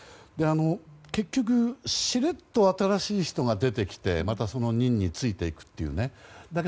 結局、しれっと新しい人が出てきてまたその任に就いていくというね。